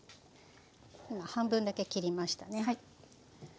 半分だけ切りましたね。